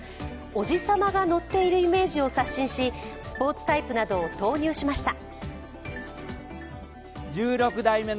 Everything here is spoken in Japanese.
おじさまが乗っているイメージを刷新しスポーツタイプなどを投入しました。